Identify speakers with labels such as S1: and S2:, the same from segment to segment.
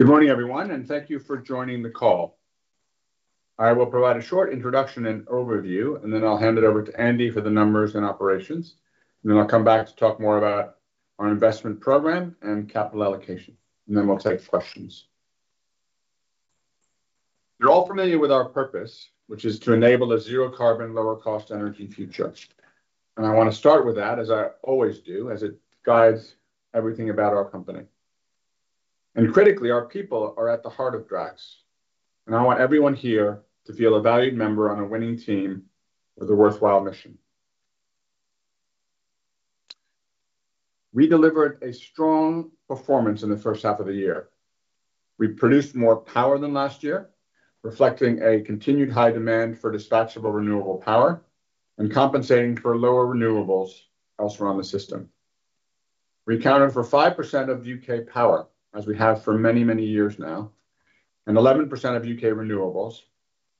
S1: Good morning, everyone, and thank you for joining the call. I will provide a short introduction and overview, and then I'll hand it over to Andy for the numbers and operations. And then I'll come back to talk more about our investment program and capital allocation, and then we'll take questions. You're all familiar with our purpose, which is to enable a zero carbon lower cost energy future. And I want to start with that as I always do as it guides everything about our company. And critically, our people are at the heart of Drax, And I want everyone here to feel a valued member on a winning team with a worthwhile mission. We delivered a strong performance in the first half of the year. We produced more power than last year, reflecting a continued high demand for dispatchable renewable power and compensating for lower renewables elsewhere on the system. We accounted for 5% of UK power as we have for many, many years now and 11% of UK renewables.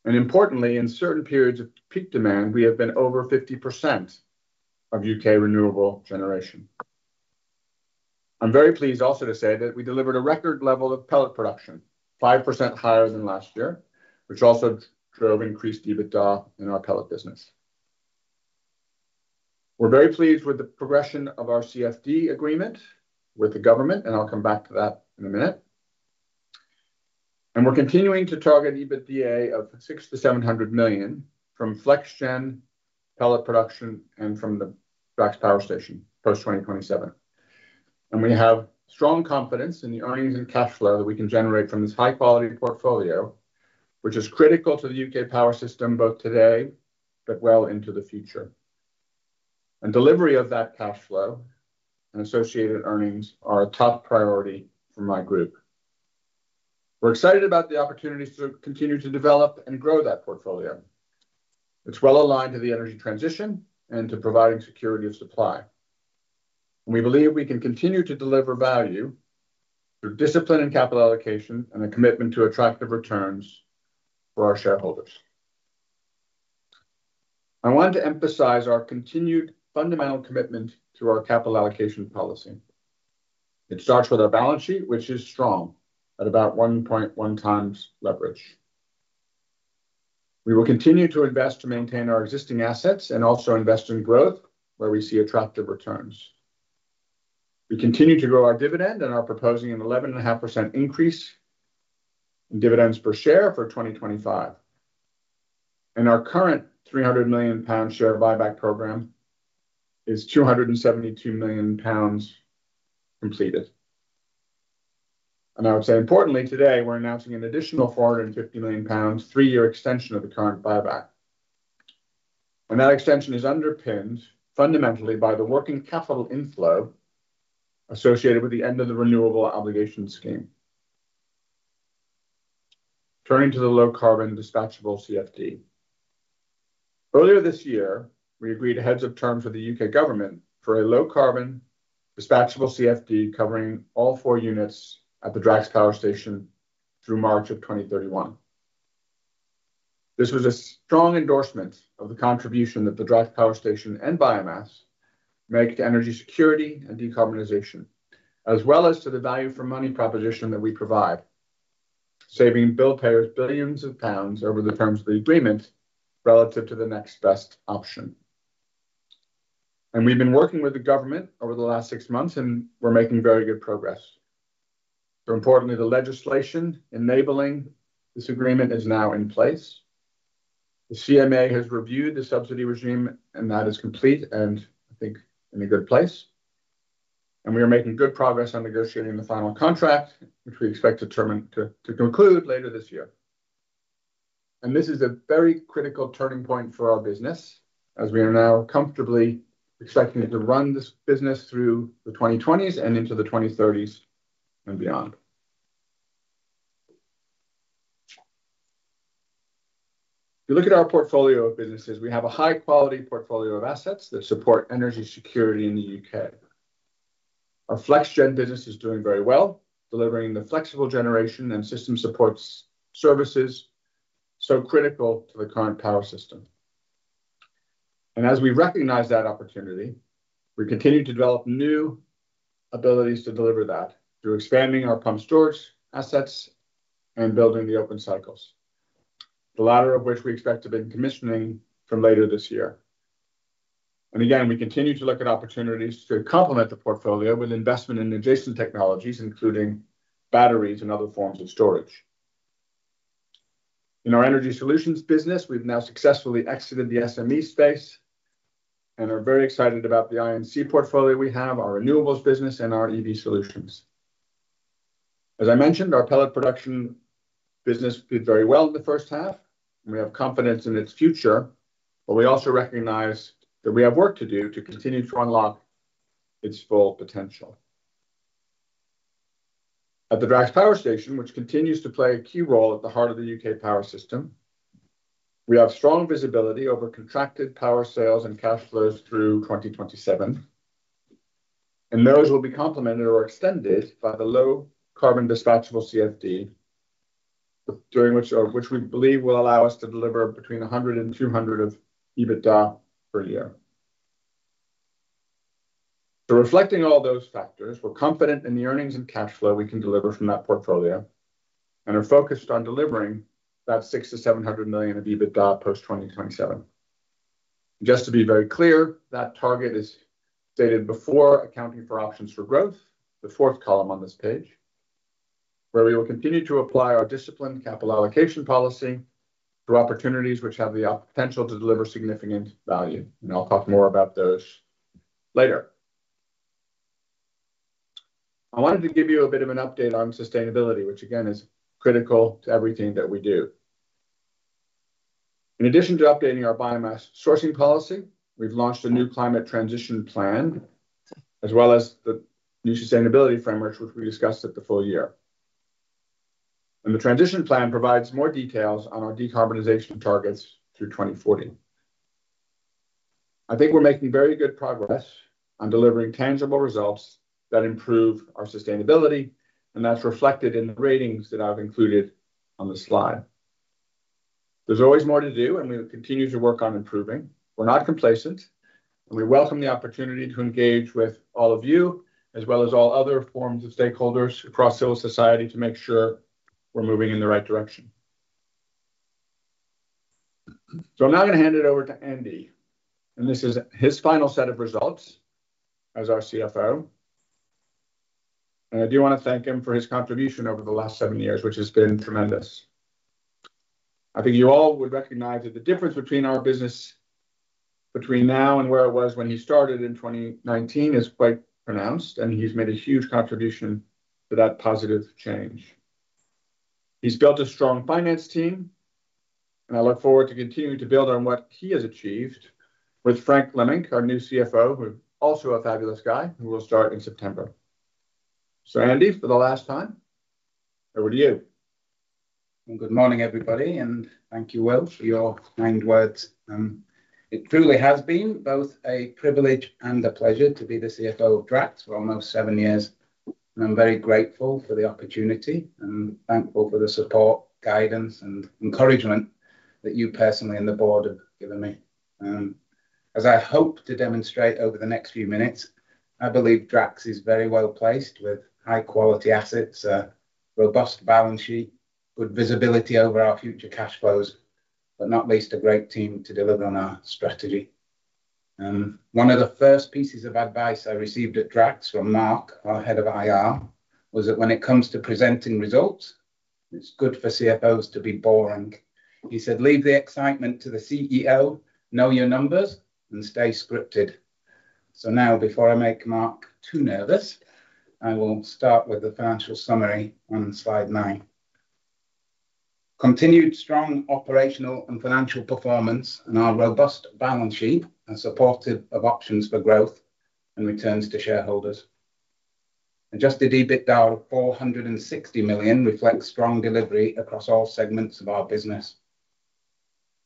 S1: And importantly, in certain periods of peak demand, we have been over 50 of UK renewable generation. I'm very pleased also to say that we delivered a record level of pellet production, 5% higher than last year, which also drove increased EBITDA in our pellet business. We're very pleased with the progression of our CFD agreement with the government, and I'll come back to that in a minute. And we're continuing to target EBITDA of 600 to $700,000,000 from FlexGen pellet production and from the Brax Power Station post 2027. And we have strong confidence in the earnings and cash flow that we can generate from this high quality portfolio, which is critical to The UK power system both today, but well into the future. And delivery of that cash flow and associated earnings are a top priority for my group. We're excited about the opportunities to continue to develop and grow that portfolio. It's well aligned to the energy transition and to providing security of supply. We believe we can continue to deliver value through discipline and capital allocation and a commitment to attractive returns for our shareholders. I wanted to emphasize our continued fundamental commitment to our capital allocation policy. It starts with our balance sheet, which is strong at about 1.1 times leverage. We will continue to invest to maintain our existing assets and also invest in growth where we see attractive returns. We continue to grow our dividend and are proposing an 11.5% increase in dividends per share for 2025. And our current £300,000,000 share buyback program is £272,000,000 completed. And I would say importantly, today, we're announcing an additional £450,000,000 three year extension of the current buyback. And that extension is underpinned fundamentally by the working capital inflow associated with the end of the renewable obligation scheme. Turning to the low carbon dispatchable CFD. Earlier this year, we agreed heads of terms with the UK government for a low carbon dispatchable CFD covering all four units at the Drax Power Station through March 2031. This was a strong endorsement of the contribution that the Drive Power Station and biomass make to energy security and decarbonization, as well as to the value for money proposition that we provide, saving bill payers billions of pounds over the terms of the agreement relative to the next best option. And we've been working with the government over the last six months and we're making very good progress. So importantly, the legislation enabling this agreement is now in place. The CMA has reviewed the subsidy regime and that is complete and I think in a good place. And we are making good progress on negotiating the final contract, which we expect to determine to conclude later this year. And this is a very critical turning point for our business as we are now comfortably expecting it to run this business through the 2020s and into the 2030s and beyond. If you look at our portfolio of businesses, we have a high quality portfolio of assets that support energy security in The UK. Our FlexGen business is doing very well, delivering the flexible generation and system supports services so critical to the current power system. And as we recognize that opportunity, we continue to develop new abilities to deliver that through expanding our pump stores assets and building the open cycles, the latter of which we expect to be commissioning from later this year. And again, we continue to look opportunities to complement the portfolio with investment in adjacent technologies, including batteries and other forms of storage. In our Energy Solutions business, we've now successfully exited the SME space and are very excited about the I and C portfolio we have, our renewables business and our EV Solutions. As I mentioned, our pellet production business did very well in the first half, and we have confidence in its future, but we also recognize that we have work to do to continue to unlock its full potential. At the Drax Power Station, which continues to play a key role at the heart of The UK power system, we have strong visibility over contracted power sales and cash flows through 2027. And those will be complemented or extended by the low carbon dispatchable CFD, during which which we believe will allow us to deliver between 100,000,000 and 200,000,000 of EBITDA per year. So reflecting all those factors, we're confident in the earnings and cash flow we can deliver from that portfolio and are focused on delivering that 600 to $700,000,000 of EBITDA post 2027. Just to be very clear, that target is stated before accounting for options for growth, the fourth column on this page, where we will continue to apply our disciplined capital allocation policy through opportunities which have the potential to deliver significant value. And I'll talk more about those later. I wanted to give you a bit of an update on sustainability, which again is critical to everything that we do. In addition to updating our biomass sourcing policy, we've launched a new climate transition plan as well as the new sustainability framework, which we discussed at the full year. And the transition plan provides more details on our decarbonization targets through 02/1940. I think we're making very good progress on delivering tangible results that improve our sustainability, and that's reflected in the ratings that I've included on the slide. There's always more to do, and we will continue to work on improving. We're not complacent. We welcome the opportunity to engage with all of you as well as all other forms of stakeholders across civil society to make sure we're moving in the right direction. So I'm now gonna hand it over to Andy, and this is his final set of results as our CFO. And I do wanna thank him for his contribution over the last seven years, which has been tremendous. I think you all would recognize that the difference between our business between now and where it was when he started in 2019 is quite pronounced, and he's made a huge contribution to that positive change. He's built a strong finance team, and I look forward to continue to build on what he has achieved with Frank Lemmink, our new CFO, who's also a fabulous guy, who will start in September. So, Andy, for the last time, over to you.
S2: Good morning, everybody, and thank you, Will, for your kind words. It truly has been both a privilege and a pleasure to be the CFO of Draft for almost seven years, and I'm very grateful for the opportunity and thankful for the support, guidance, and encouragement that you personally and the board have given me. As I hope to demonstrate over the next few minutes, I believe Drax is very well placed with high quality assets, robust balance sheet, good visibility over our future cash flows, but not least a great team to deliver on our strategy. One of the first pieces of advice I received at Drax from Mark, our head of IR, was that when it comes to presenting results, it's good for CFOs to be boring. He said leave the excitement to the CEO, know your numbers, and stay scripted. So now before I make Mark too nervous, I will start with the financial summary on slide nine. Continued strong operational and financial performance and our robust balance sheet are supportive of options for growth and returns to shareholders. Adjusted EBITDA of $460,000,000 reflects strong delivery across all segments of our business.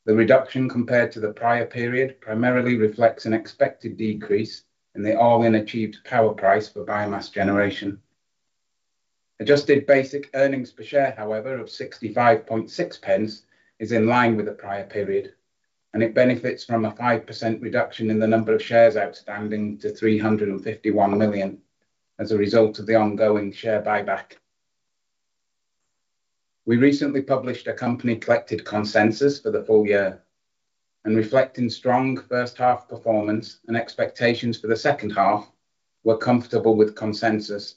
S2: The reduction compared to the prior period primarily reflects an expected decrease in the all in achieved power price for biomass generation. Adjusted basic earnings per share, however, of 65.6p is in line with the prior period, and it benefits from a 5% reduction in the number of shares outstanding to $351,000,000 as a result of the ongoing share buyback. We recently published a company collected consensus for the full year. And reflecting strong first half performance and expectations for the second half, we're comfortable with consensus,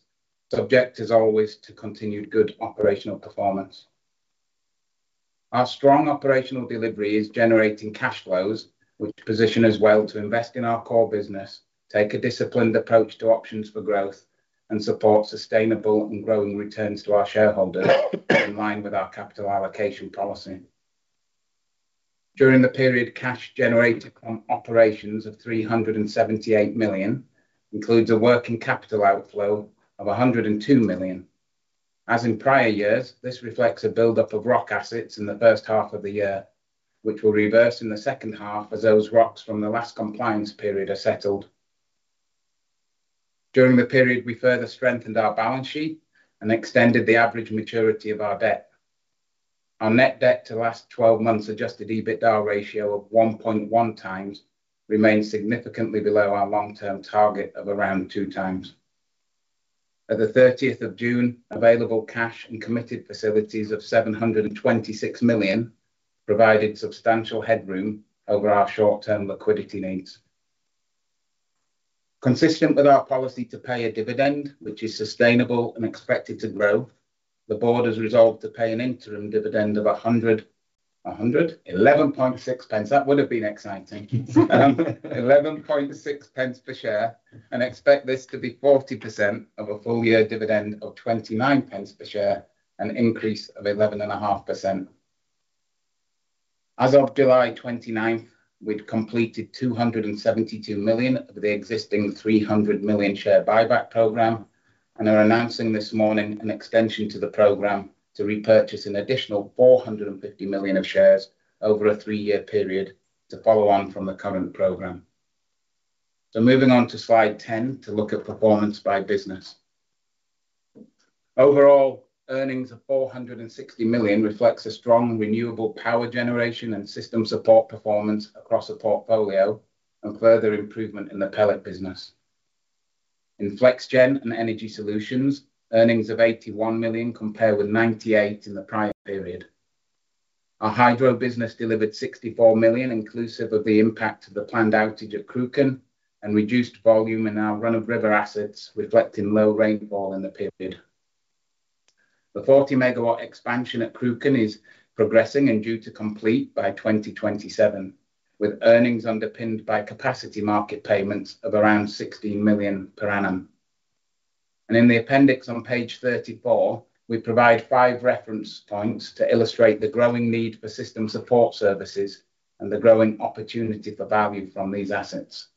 S2: subject as always to continued good operational performance. Our strong operational delivery is generating cash flows, which position us well to invest in our core business, take a disciplined approach to options for growth and support sustainable and growing returns to our shareholders in line with our capital allocation policy. During the period, cash generated from operations of three seventy eight million dollars includes a working capital outflow of $102,000,000 As in prior years, this reflects a buildup of rock assets in the first half of the year, which will reverse in the second half as those rocks from the last compliance period are settled. During the period, we further strengthened our balance sheet and extended the average maturity of our debt. Our net debt to last twelve months adjusted EBITDA ratio of 1.1x remains significantly below our long term target of around 2x. At the June 30, available cash and committed facilities of $726,000,000 provided substantial headroom over our short term liquidity needs. Consistent with our policy to pay a dividend, which is sustainable and expected to grow, the board has resolved to pay an interim dividend of 100 a 100 11.6p. That would have been exciting. 11.6p per share and expect this to be 40% of a full year dividend of £0.29 per share, an increase of 11.5%. As of July 29, we'd completed $272,000,000 of the existing $300,000,000 share buyback program and are announcing this morning an extension to the program to repurchase an additional $450,000,000 of shares over a three year period to follow on from the current program. So moving on to Slide 10 to look at performance by business. Overall, earnings of $460,000,000 reflects a strong renewable power generation and system support performance across the portfolio and further improvement in the pellet business. In FlexGen and Energy Solutions, earnings of $81,000,000 compared with 98,000,000 in the prior period. Our hydro business delivered $64,000,000 inclusive of the impact the planned outage at Kruken and reduced volume in our run of river assets, reflecting low rainfall in the period. The 40 megawatt expansion at Kruken is progressing and due to complete by 2027, with earnings underpinned by capacity market payments of around $16,000,000 per annum. And in the appendix on Page 34, we provide five reference points to illustrate the growing need for system support services and the growing opportunity for value from these assets.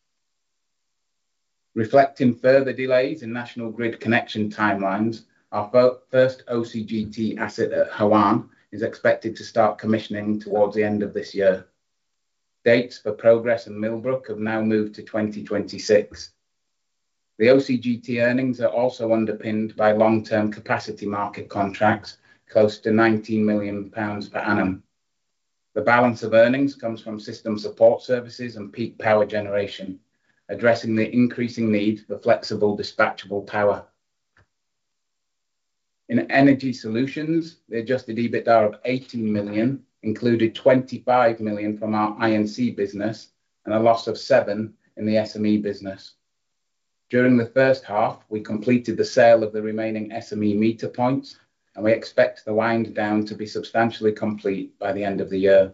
S2: Reflecting further delays in national grid connection time lines, our first OCGT asset at Hawaan is expected to start commissioning towards the end of this year. Dates for progress in Millbrook have now moved to 2026. The OCGT earnings are also underpinned by long term capacity market contracts close to £19,000,000 per annum. The balance of earnings comes from systems support services and peak power generation, addressing the increasing need for flexible dispatchable power. In Energy Solutions, the adjusted EBITDA of $18,000,000 included $25,000,000 from our INC business and a loss of 7,000,000 in the SME business. During the first half, we completed the sale of the remaining SME meter points, and we expect the wind down to be substantially complete by the end of the year.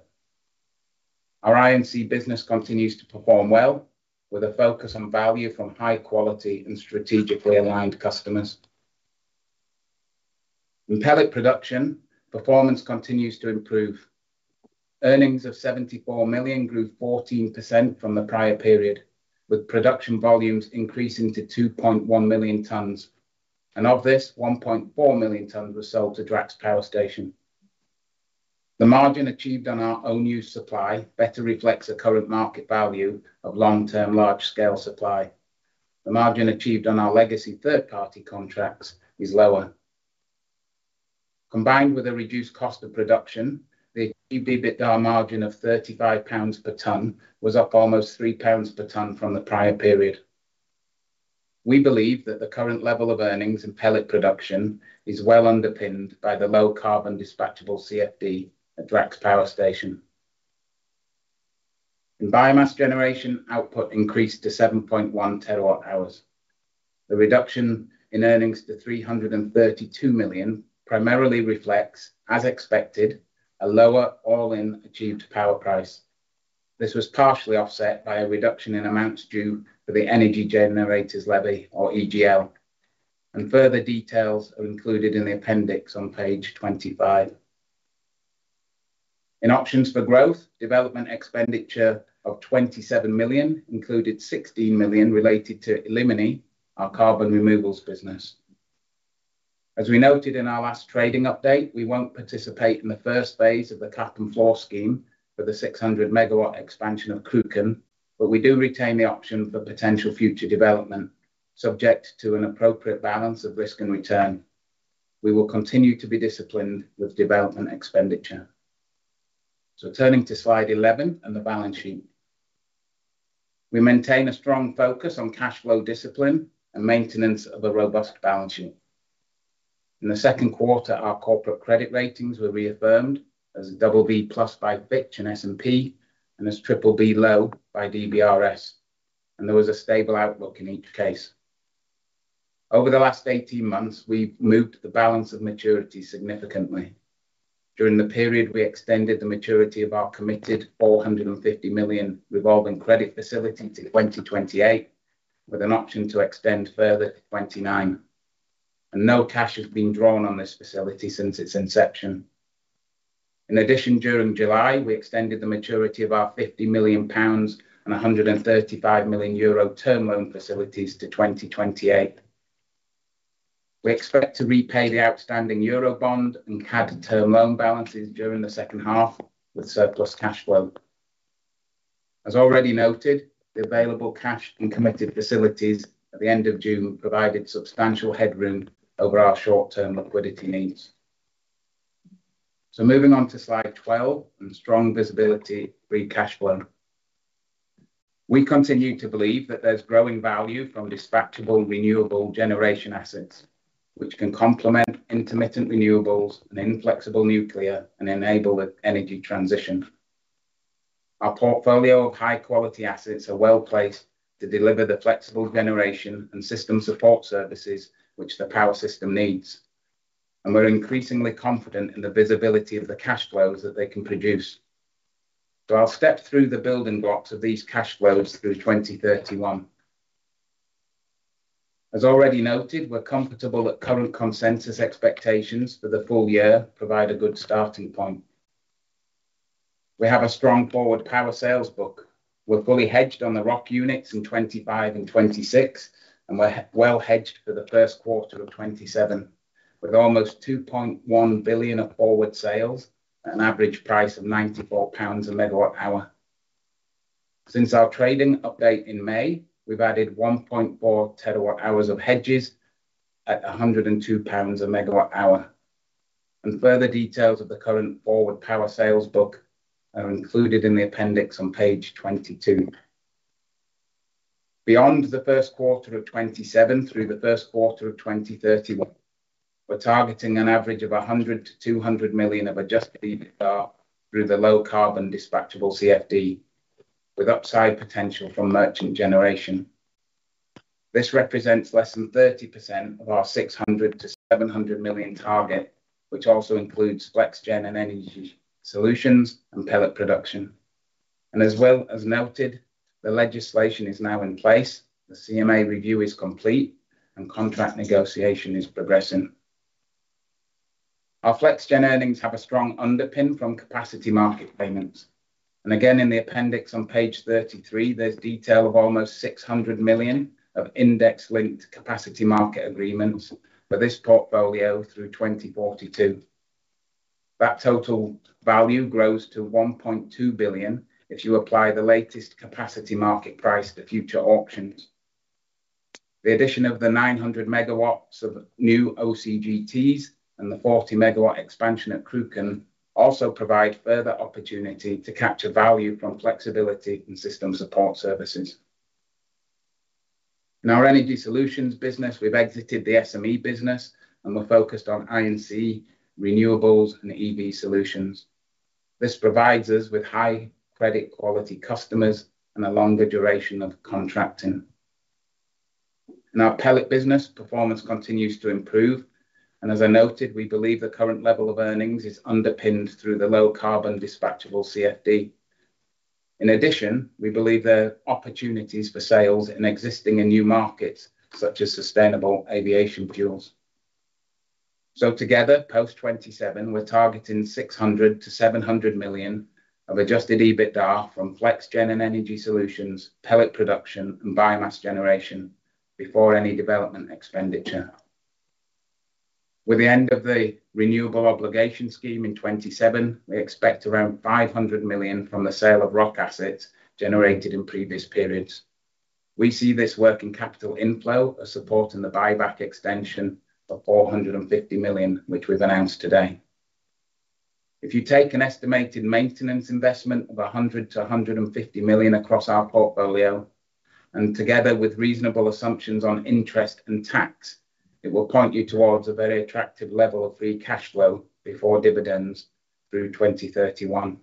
S2: Our I and C business continues to perform well with a focus on value from high quality and strategically aligned customers. In pellet production, performance continues to improve. Earnings of $74,000,000 grew 14% from the prior period, with production volumes increasing to 2,100,000 tonnes. And of this, 1,400,000 tonnes was sold to Drax Power Station. The margin achieved on our own use supply better reflects the current market value of long term large scale supply. The margin achieved on our legacy third party contracts is lower. Combined with a reduced cost of production, the achieved EBITDA margin of 35 pounds per tonne was up almost 3 pounds per tonne from the prior period. We believe that the current level of earnings in pellet production is well underpinned by the low carbon dispatchable CFD at Drax Power Station. In biomass generation, output increased to 7.1 terawatt hours. The reduction in earnings to $332,000,000 primarily reflects, as expected, a lower all in achieved power price. This was partially offset by a reduction in amounts due to the Energy Generators Levy or EGL. And further details are included in the appendix on Page 25. In options for growth, development expenditure of $27,000,000 included 16,000,000 related to Elimini, our carbon removals business. As we noted in our last trading update, we won't participate in the first phase of the cap and floor scheme for the 600 megawatt expansion of Kukan, but we do retain the option for potential future development subject to an appropriate balance of risk and return. We will continue to be disciplined with development expenditure. So turning to Slide 11 and the balance sheet. We maintain a strong focus on cash flow discipline and maintenance of a robust balance sheet. In the second quarter, our corporate credit ratings were reaffirmed as BB plus by BICH and S and P and as BBB low by DBRS, and there was a stable outlook in each case. Over the last eighteen months, we've moved the balance of maturity significantly. During the period, we extended the maturity of our committed $450,000,000 revolving credit facility to 2028 with an option to extend further to 2029. And no cash has been drawn on this facility since its inception. In addition, during July, we extended the maturity of our £50,000,000 and €135,000,000 term loan facilities to 2028. We expect to repay the outstanding Eurobond and CAD term loan balances during the second half with surplus cash flow. As already noted, the available cash and committed facilities at the June provided substantial headroom over our short term liquidity needs. So moving on to Slide 12 and strong visibility free cash flow. We continue to believe that there's growing value from dispatchable renewable generation assets, which can complement intermittent renewables and inflexible nuclear and enable the energy transition. Our portfolio of high quality assets are well placed to deliver the flexible generation and system support services, which the power system needs, and we're increasingly confident in the visibility of the cash flows that they can produce. So I'll step through the building blocks of these cash flows through 02/1931. As already noted, we're comfortable that current consensus expectations for the full year provide a good starting point. We have a strong forward power sales book. We're fully hedged on the rock units in '25 and '26, and we're well hedged for the '27 with almost £2,100,000,000 of forward sales at an average price of £94 a megawatt hour. Since our trading update in May, we've added 1.4 terawatt hours of hedges at 102 pounds a megawatt hour. And further details of the current forward power sales book are included in the appendix on Page 22. Beyond the 2027 through the 2031, we're targeting an average of 100,000,000 to $200,000,000 of adjusted EBITDA through the low carbon dispatchable CFD with upside potential from merchant generation. This represents less than 30% of our 600,000,000 to $700,000,000 target, which also includes FlexGen and Energy Solutions and pellet production. And as well as noted, the legislation is now in place, the CMA review is complete and contract negotiation is progressing. Our FlexGen earnings have a strong underpin from capacity market payments. And again, in the appendix on Page 33, there's detail of almost $600,000,000 of index linked capacity market agreements for this portfolio through 02/1942. That total value grows to $1,200,000,000 if you apply the latest capacity market price to future auctions. The addition of the 900 megawatts of new OCGTs and the 40 megawatt expansion at Kruken also provide further opportunity to capture value from flexibility and system support services. In our Energy Solutions business, we've exited the SME business, and we're focused on I and C, renewables and EV solutions. This provides us with high credit quality customers and a longer duration of contracting. In our pellet business, performance continues to improve. And as I noted, we believe the current level of earnings is underpinned through the low carbon dispatchable CFD. In addition, we believe there are opportunities for sales in existing and new markets such as sustainable aviation fuels. So together, post 2027, we're targeting 600,000,000 to 700,000,000 of adjusted EBITDA from FlexGen and Energy Solutions, pellet production and biomass generation before any development expenditure. With the end of the renewable obligation scheme in 2027, we expect around $500,000,000 from the sale of rock assets generated in previous periods. We see this working capital inflow as supporting the buyback extension of four fifty million dollars which we've announced today. If you take an estimated maintenance investment of 100,000,000 to $150,000,000 across our portfolio and together with reasonable assumptions on interest and tax, it will point you towards a very attractive level of free cash flow before dividends through 02/1931.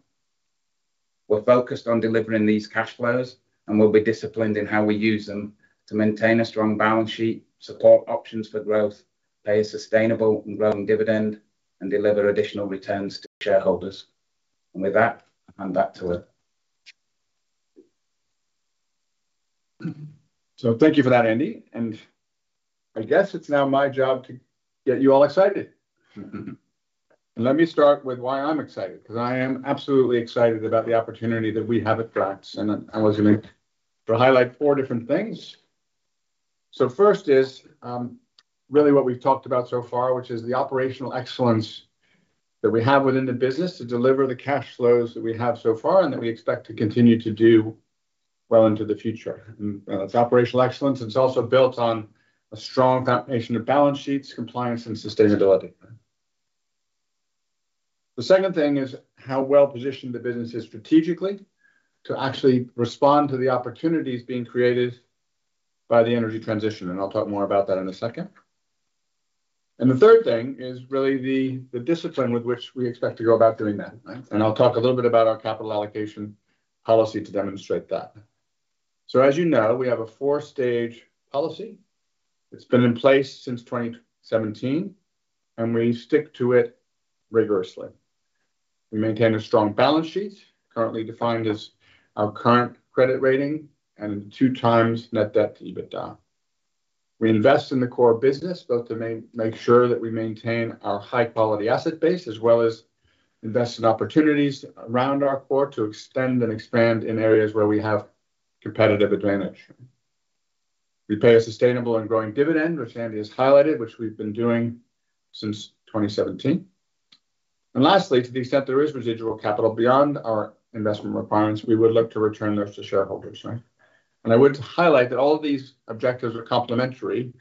S2: We're focused on delivering these cash flows, and we'll be disciplined in how we use them to maintain a strong balance sheet, support options for growth, pay a sustainable and growing dividend and deliver additional returns to shareholders. And with that, I'm back to it.
S1: So thank you for that, Andy. And I guess it's now my job to get you all excited. Let me start with why I'm excited because I am absolutely excited about the opportunity that we have at Fracs, and then I was gonna highlight four different things. So first is really what we've talked about so far, which is the operational excellence that we have within the business to deliver the cash flows that we have so far and that we expect to continue to do well into the future. It's operational excellence. It's also built on a strong combination of balance sheets, compliance, and sustainability. The second thing is how well positioned the business is strategically to actually respond to the opportunities being created by the energy transition, and I'll talk more about that in a second. And the third thing is really the the discipline with which we expect to go about doing that. Right? And I'll talk a little bit about our capital allocation policy to demonstrate that. So as you know, we have a four stage policy. It's been in place since 2017, and we stick to it rigorously. We maintain a strong balance sheet, currently defined as our current credit rating and two times net debt to EBITDA. We invest in the core business, both to make sure that we maintain our high quality asset base as well as invest in opportunities around our core to extend and expand in areas where we have competitive advantage. We pay a sustainable and growing dividend, which Andy has highlighted, which we've been doing since 2017. And lastly, to the extent there is residual capital beyond our investment requirements, we would look to return those to shareholders. Right? And I would highlight that all of these objectives are complementary.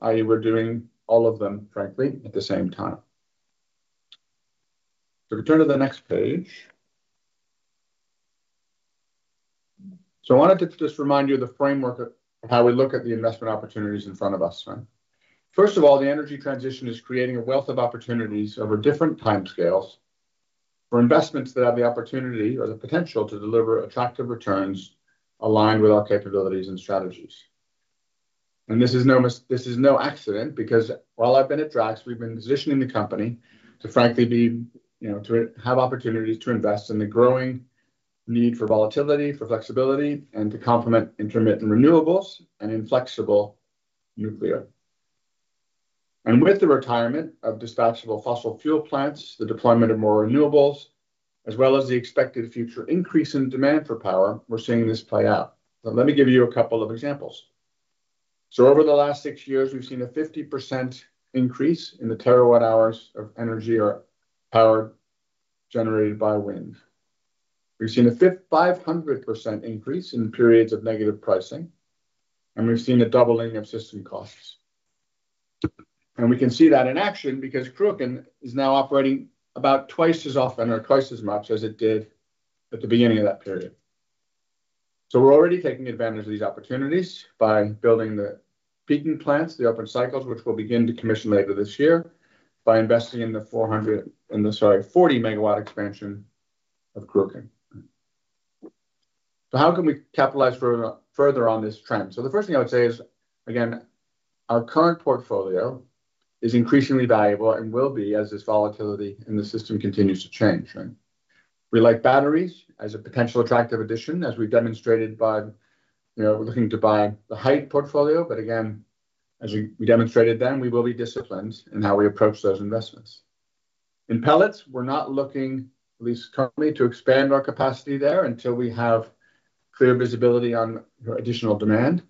S1: I. E, we're doing all of them, frankly, at the same time. So if we turn to the next page. So I wanted to just remind you of the framework of how we look at the investment opportunities in front of us. Of all, the energy transition is creating a wealth of opportunities over different timescales for investments that have the opportunity or the potential to deliver attractive returns aligned with our capabilities and strategies. And this is no this is no accident because while I've been at Drax, we've been positioning the company to frankly be you know, to have opportunities to invest in the growing need for volatility, for flexibility and to complement intermittent renewables and inflexible nuclear. And with the retirement of dispatchable fossil fuel plants, the deployment of more renewables as well as the expected future increase in demand for power, we're seeing this play out. So let me give you a couple of examples. So over the last six years, we've seen a 50% increase in the terawatt hours of energy or power generated by wind. We've seen a 500% increase in periods of negative pricing, and we've seen a doubling of system costs. And we can see that in action because Kruken is now operating about twice as often or twice as much as it did at the beginning of that period. So we're already taking advantage of these opportunities by building the peaking plants, the open cycles, which will begin to commission later this year by investing in the 400 in the sorry, 40 megawatt expansion of Kurokan. So how can we capitalize further on this trend? So the first thing I would say is, again, our current portfolio is increasingly valuable and will be as this volatility in the system continues to change. Right? We like batteries as a potential attractive addition as we've demonstrated by, you know, we're looking to buy the Height portfolio. But, again, as we we demonstrated then, we will be disciplined in how we approach those investments. In pellets, we're not looking at least currently to expand our capacity there until we have clear visibility on additional demand.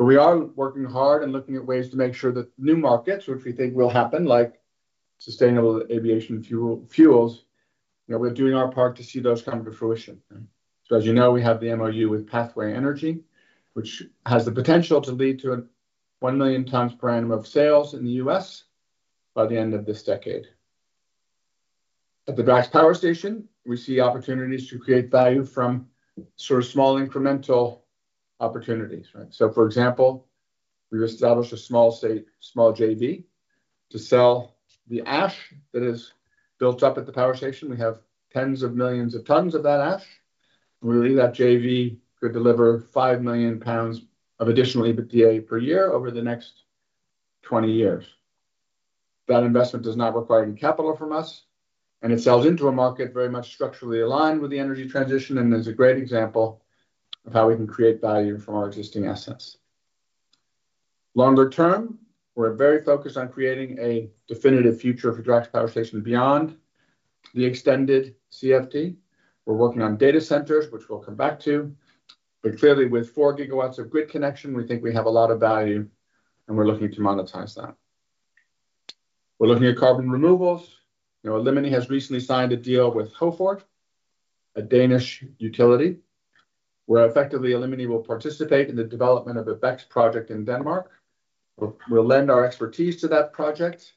S1: But we are working hard and looking at ways to make sure that new markets, which we think will happen, like sustainable aviation fuel fuels, you know, we're doing our part to see those come to fruition. So as you know, we have the MOU with Pathway Energy, which has the potential to lead to a 1,000,000 times per annum of sales in The US by the end of this decade. At the Braxton Power Station, we see opportunities to create value from sort of small incremental opportunities. Right? So for example, we established a small state small JV to sell the ash that is built up at the power station. We have tens of millions of tons of that ash. We believe that JV could deliver 5,000,000 of additional EBITDA per year over the next twenty years. That investment does not require any capital from us, and it sells into a market very much structurally aligned with the energy transition and is a great example of how we can create value from our existing assets. Longer term, we're very focused on creating a definitive future for Direct Power Station beyond the extended CFD. We're working on data centers, which we'll come back to. But clearly, with four gigawatts of grid connection, we think we have a lot of value, and we're looking to monetize that. We're looking at carbon removals. You know, Elimini has recently signed a deal with Hoford, a Danish utility, where effectively Elimini will participate in the development of a BEX project in Denmark. We'll lend our expertise to that project.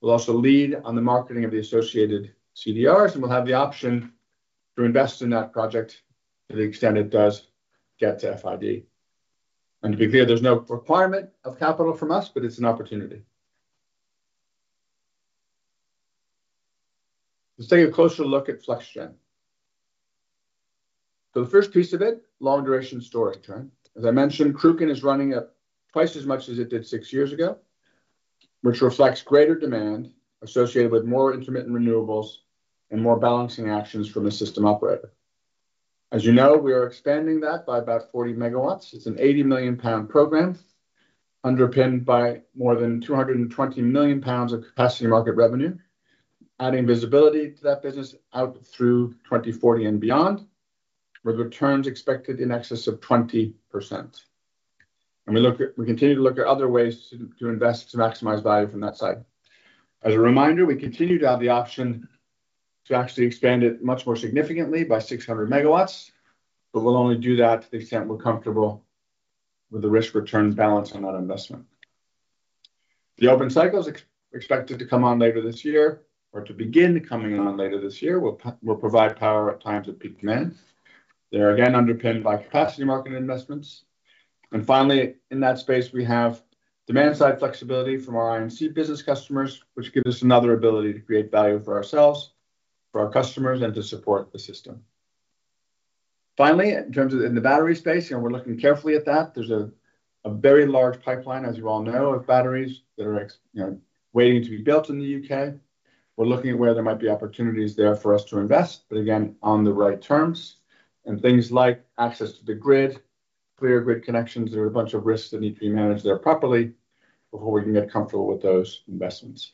S1: We'll also lead on the marketing of the associated CDRs, and we'll have the option to invest in that project to the extent it does get to FID. And to be clear, there's no requirement of capital from us, but it's an opportunity. Let's take a closer look at FlexGen. The first piece of it, long duration story. Right? As I mentioned, Kruken is running at twice as much as it did six years ago, which reflects greater demand associated with more intermittent renewables and more balancing actions from the system operator. As you know, we are expanding that by about 40 megawatts. It's an 80,000,000 program underpinned by more than £220,000,000 of capacity market revenue, adding visibility to that business out through 2040 and beyond with returns expected in excess of 20%. And we look at we continue to look at other ways to invest to maximize value from that side. As a reminder, we continue to have the option to actually expand it much more significantly by 600 megawatts, but we'll only do that to the extent we're comfortable with the risk return balance on that investment. The open cycle is expected to come on later this year or to begin coming on later this year. We'll we'll provide power at times of peak demand. They are again underpinned by capacity market investments. And finally, in that space, we have demand side flexibility from our IMC business customers, which gives us another ability to create value for ourselves, for our customers, and to support the system. Finally, in terms of in the battery space, you know, we're looking carefully at that. There's a very large pipeline, as you all know, of batteries that are, you know, waiting to be built in The UK. We're looking at where there might be opportunities there for us to invest, but, again, on the right terms and things like access to the grid, clear grid connections. There are a bunch of risks that need to be managed there properly before we can get comfortable with those investments.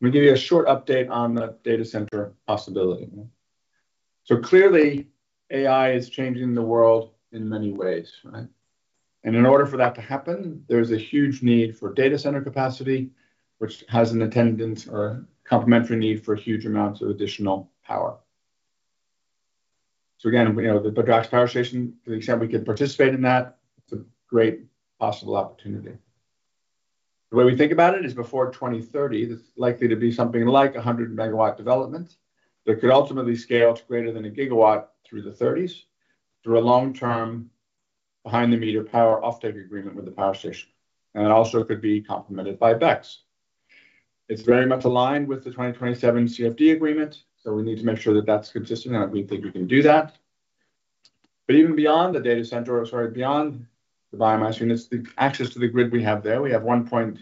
S1: Let me give you a short update on the data center possibility. So, clearly, AI is changing the world in many ways. Right? And in order for that to happen, there's a huge need for data center capacity, which has an attendance or complimentary need for huge amounts of additional power. So again, we know the the production power station, to the extent we can participate in that, it's a great possible opportunity. The way we think about it is before 02/1930, there's likely to be something like a 100 megawatt development that could ultimately scale to greater than a gigawatt through the thirties through a long term behind the meter power offtake agreement with the power station. And it also could be complemented by VEX. It's very much aligned with the 2027 CFD agreement, so we need to make sure that that's consistent, and we think we can do that. But even beyond the data center or sorry. Beyond the biomass units, the access to the grid we have there, we have 1.2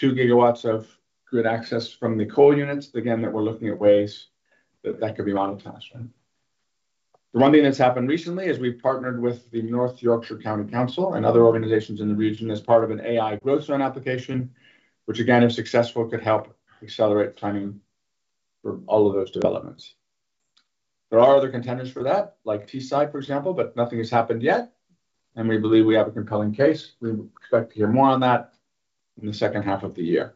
S1: gigawatts of grid access from the coal units, again, that we're looking at ways that that could be monetized. One thing that's happened recently is we partnered with the North Yorkshire County Council and other organizations in the region as part of an AI growth zone application, which, again, if successful, could help accelerate planning for all of those developments. There are other contenders for that, like T side, for example, but nothing has happened yet, and we believe we have a compelling case. We expect to hear more on that in the second half of the year.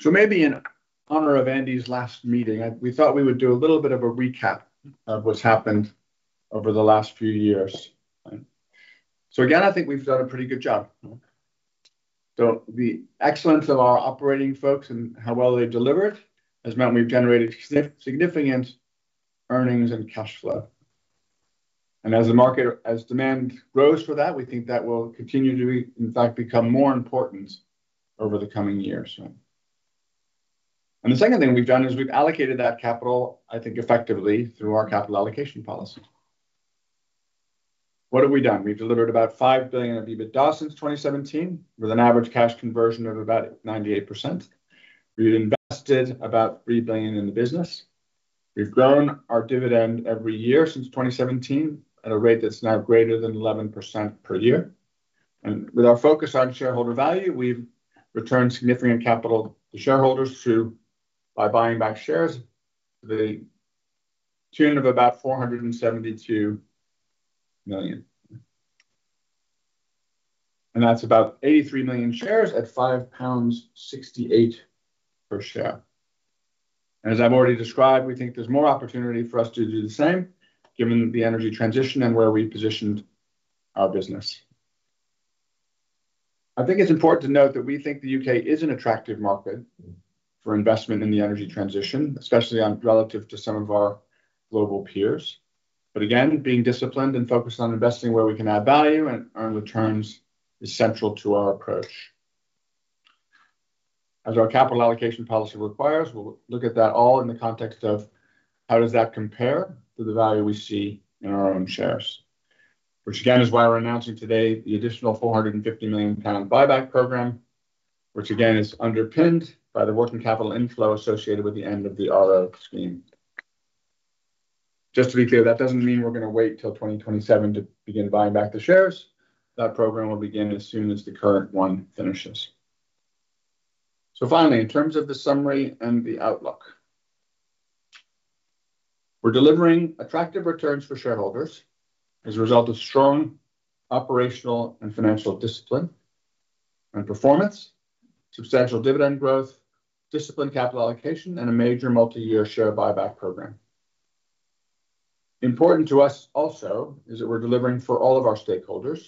S1: So maybe in honor of Andy's last meeting, I we thought we would do a little bit of a recap of what's happened over the last few years. So, again, I think we've done a pretty good job. So the excellence of our operating folks and how well they've delivered has meant we've generated significant earnings and cash flow. And as the market as demand grows for that, we think that will continue to be, in fact, become more important over the coming years. And the second thing we've done is we've allocated that capital, I think, effectively through our capital allocation policy. What have we done? We've delivered about $5,000,000,000 of EBITDA since 2017 with an average cash conversion of about 98%. We've invested about $3,000,000,000 in the business. We've grown our dividend every year since 2017 at a rate that's now greater than 11% per year. And with our focus on shareholder value, we've returned significant capital to shareholders through by buying back shares to the tune of about $472,000,000. And that's about 83,000,000 shares at £5.68 pounds per share. And as I've already described, we think there's more opportunity for us to do the same given the energy transition and where we positioned our business. I think it's important to note that we think The UK is an attractive market for investment in the energy transition, especially relative to some of our global peers. But again, being disciplined and focused on investing where we can add value and earn returns is central to our approach. As our capital allocation policy requires, we'll look at that all in the context of how does that compare to the value we see in our own shares, which again is why we're announcing today the additional $450,000,000 buyback program, which again is underpinned by the working capital inflow associated with the end of the RO scheme. Just to be clear, that doesn't mean we're going to wait until 2027 to begin buying back the shares. That program will begin as soon as the current one finishes. So finally, in terms of the summary and the outlook. We're delivering attractive returns for shareholders as a result of strong operational and financial discipline and performance, substantial dividend growth, disciplined capital allocation and a major multiyear share buyback program. Important to us also is that we're delivering for all of our stakeholders,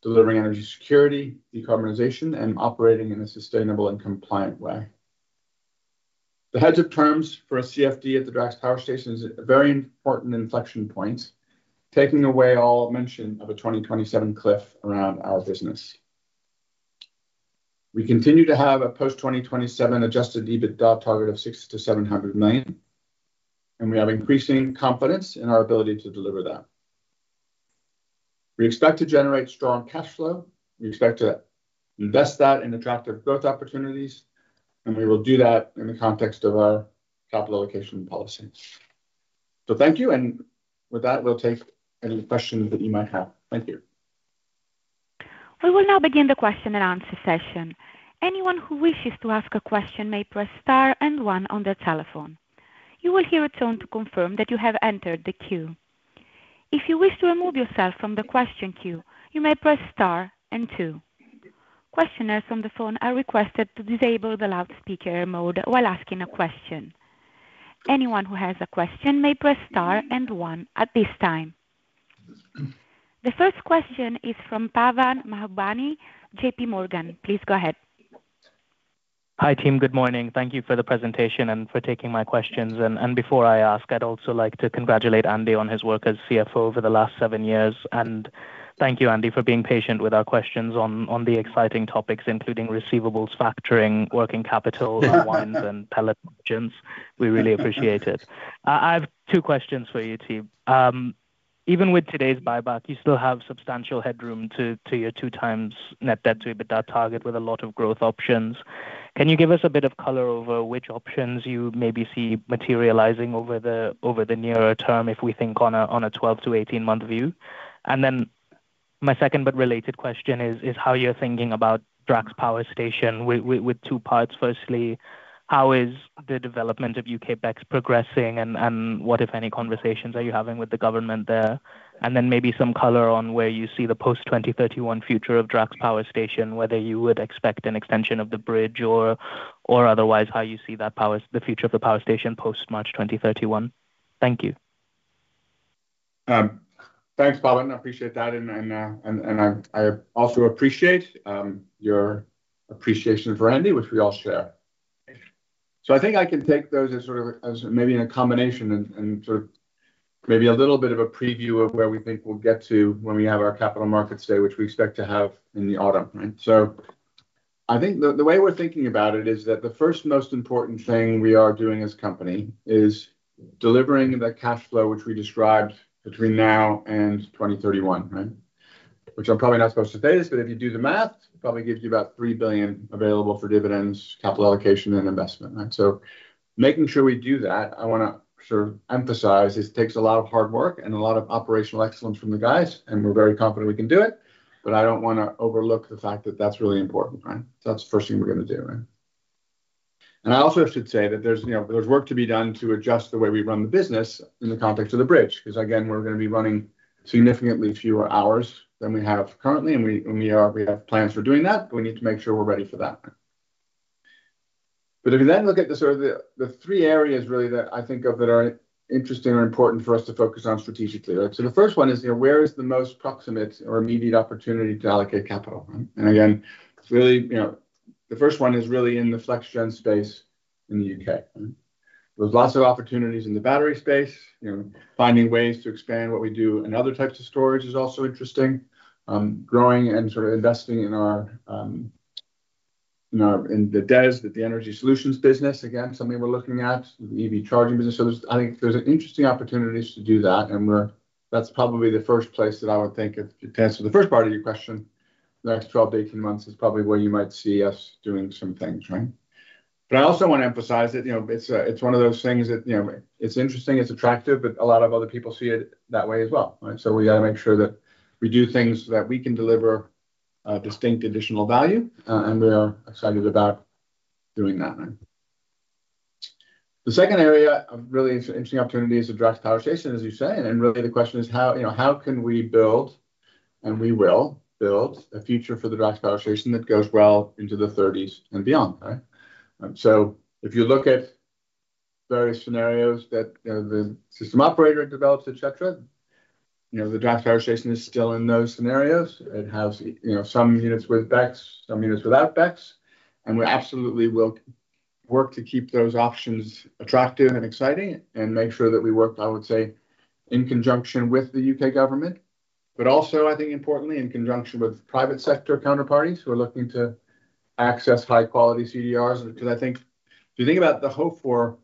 S1: delivering energy security, decarbonization and operating in a sustainable compliant way. The heads of terms for a CFD at the Drax Power Station is a very important inflection point, taking away all mention of a 2027 cliff around our business. We continue to have a post 2027 adjusted EBITDA target of $600 to $700,000,000 and we have increasing confidence in our ability to deliver that. We expect to generate strong cash flow. We expect to invest that in attractive growth opportunities, and we will do that in the context of our capital allocation policy. So thank you. And with that, we'll take any questions that you might have. Thank you.
S3: We will now begin the question and answer session. The first question is from Pavan Mahbhani, JPMorgan. Please go ahead.
S4: Hi, team. Good morning. Thank you for the presentation and for taking my questions. And before I ask, I'd also like to congratulate Andy on his work as CFO over the last seven years. And thank you, Andy, being patient with our questions on the exciting topics, including receivables, factoring, working capital, unwind and pellet margins. Really appreciate it. I have two questions for you, Tim. Even with today's buyback, you still have substantial headroom to your two times net debt to EBITDA target with a lot of growth options. Can you give us a bit of color over which options you maybe see materializing over the nearer term if we think on a twelve to eighteen month view? And then my second but related question is how you're thinking about Drax Power Station with two parts. Firstly, how is the development of UK back progressing? And what if any conversations are you having with the government there? And then maybe some color on where you see the post 2031 future of Drax Power Station, whether you would expect an extension of the bridge or otherwise, how you see that power the future of the power station post March 2031? Thank you.
S1: Thanks, Balan. I appreciate that. And I also appreciate your appreciation for Andy, which we all share. So I think I can take those as sort of as maybe in a combination and sort of maybe a little bit of a preview of where we think we'll get to when we have our Capital Markets Day, which we expect to have in the autumn. Right? So I think the the way we're thinking about it is that the first most important thing we are doing as company is delivering the cash flow which we described between now and 2031. Right? Which I'm probably not supposed to say this, but if you do the math, it probably gives you about 3,000,000,000 available for dividends, capital allocation, and investment. Right? So making sure we do that, I wanna sort of emphasize this takes a lot of hard work and a lot of operational excellence from the guys, and we're very confident we can do it. But I don't wanna overlook the fact that that's really important. Right? That's the first thing we're gonna do. Right? And I also have to say that there's, you know, there's work to be done to adjust the way we run the business in the context of the bridge because, again, we're gonna be running significantly fewer hours than we have currently, and we and we are we have plans for doing that. We need to make sure we're ready for that. But if we then look at the sort of the the three areas really that I think of that are interesting or important for us to focus on strategically. Right? So the first one is, you know, where is the most proximate or immediate opportunity to allocate capital? And, again, it's really, you know, the first one is really in the flex gen space in The UK. There's lots of opportunities in the battery space, you know, finding ways to expand what we do in other types of storage is also interesting. Growing and sort of investing in our in our in the desk, with the energy solutions business, again, something we're looking at, EV charging business. So there's I think there's an interesting opportunities to do that, and we're that's probably the first place that I would think it it tends to the first part of your question. The next twelve to eighteen months is probably where you might see us doing some things. Right? But I also wanna emphasize it, you know, it's it's one of those things that, you know, it's interesting. It's attractive, but a lot of other people see it that way as well. Right? So we gotta make sure that we do things that we can deliver distinct additional value, and we are excited about doing that. Right? The second area of really interesting opportunity is the draft power station, as you say. And really, the question is how, you know, how can we build, and we will build, a future for the draft power station that goes well into the thirties and beyond. Right? So if you look at various scenarios that, you know, the system operator develops, etcetera, you know, the draft power station is still in those scenarios. It has, you know, some units with VEX, some units without VEX, and we absolutely will work to keep those options attractive and exciting and make sure that we work, I would say, in conjunction with the UK government. But also, I think importantly, in conjunction with private sector counterparties who are looking to access high quality CDRs because I think you do think about the hope for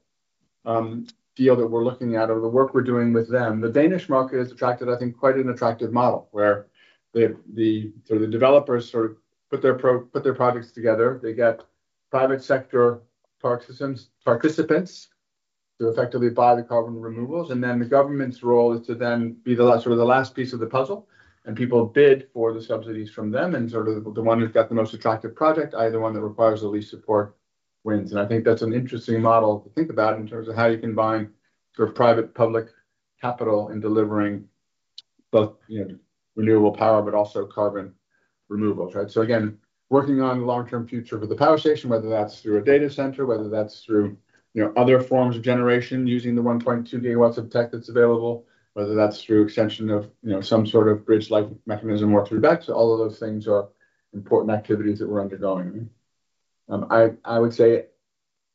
S1: deal that we're looking at or the work we're doing with them, the Danish market has attracted, I think, quite an attractive model where the the so the developers sort of put their pro put their products together. They get private sector park systems participants to effectively buy the carbon removals, and then the government's role is to then be the last sort of the last piece of the puzzle, and people bid for the subsidies from them and sort of the one who's got the most attractive project, either one that requires the least support wins. And I think that's an interesting model to think about in terms of how you combine sort of private public capital in delivering both, you know, renewable power, but also carbon removal. Right? So, again, working on long term future for the power station, whether that's through a data center, whether that's through, you know, other forms of generation using the 1.2 gigawatts of tech that's available, whether that's through extension of, you know, some sort of bridge like mechanism work through that. So all of those things are important activities that we're undergoing. I I would say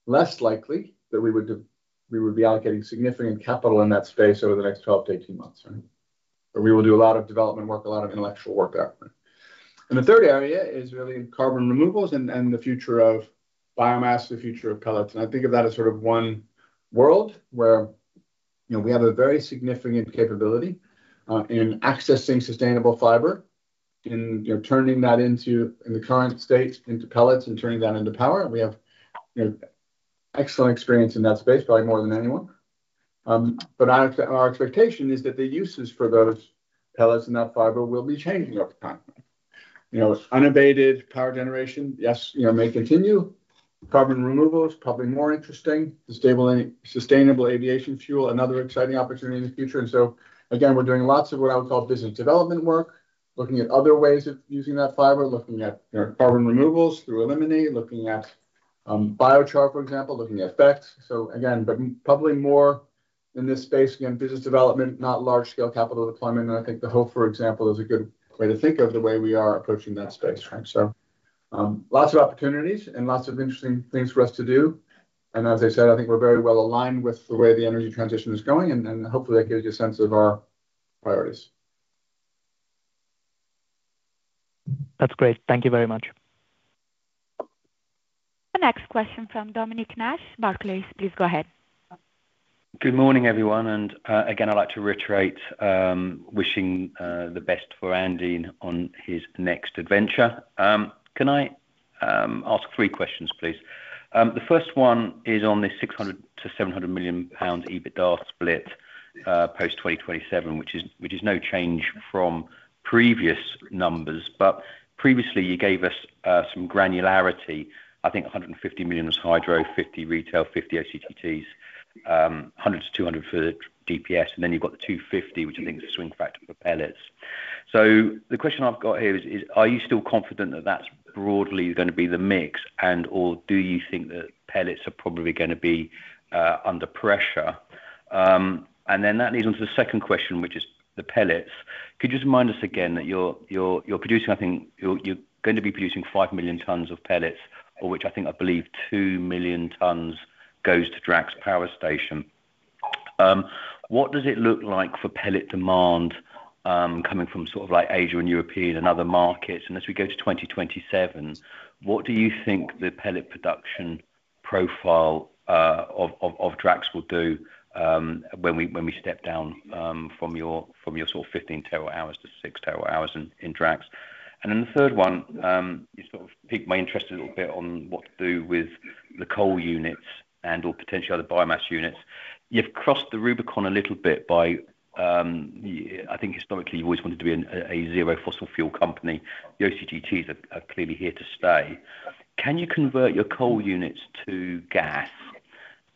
S1: less likely that we would do we would be allocating significant capital in that space over the next twelve to eighteen months. Right? But we will do a lot of development work, a lot of intellectual work there. And the third area is really carbon removals and and the future of biomass, the future of pellets. And I think of that as sort of one world where, you know, we have a very significant capability in accessing sustainable fiber and, you know, turning that into in the current states into pellets and turning that into power. We have, you know, excellent experience in that space probably more than anyone. But our our expectation is that the uses for those pellets and that fiber will be changing over time. You know, unabated power generation, yes, you know, may continue. Carbon removal is probably more interesting. The stable aviation fuel, another exciting opportunity in the future. And so, again, we're doing lots of what I would call business development work, looking at other ways of using that fiber, looking at carbon removals through eliminate, looking at biochar, for example, looking at effects. So, again, but probably more in this space, again, business development, not large scale capital deployment. And I think the hope, for example, is a good way to think of the way we are approaching that space. Right? So lots of opportunities and lots of interesting things for us to do. As I said, I think we're very well aligned with the way the energy transition is going. And hopefully, that gives you a sense of our priorities.
S4: That's great. Thank you very much.
S3: The next question from Dominic Nash, Barclays. Please go ahead.
S5: Good morning, everyone. And again, I'd like to reiterate wishing the best for Andean on his next adventure. Can I ask three questions, please? The first one is on the 600,000,000 to 700,000,000 EBITDA split post 2027, which is no change from previous numbers. But previously, you gave us some granularity. Think I $150,000,000 is hydro, 50,000,000 retail, 50,000,000 ACTTs, 100,000,000 to 200,000,000 for DPS, and then you've got the $250,000,000 which I think is a swing factor for pellets. So the question I've got here is, are you still confident that, that's broadly going to be the mix? And or do you think that pellets are probably going to be under pressure? And then that leads on to the second question, which is the pellets. Could you just remind us again that you're producing, I think you're going to be producing 5,000,000 tons of pellets, of which I think I believe 2,000,000 tons goes to Drax power station. What does it look like for pellet demand coming from sort of like Asia and European and other markets? And as we go to 2027, what do you think the pellet production profile of Drax will do when step down from your sort of 15 terawatt hours to six terawatt hours in Drax? And then the third one, you sort of piqued my interest a little bit on what to do with the coal units and or potentially other biomass units. You've crossed the Rubicon a little bit by I think historically, you always wanted to be a zero fossil fuel company. The OCTGs are clearly here to stay. Can you convert your coal units to gas?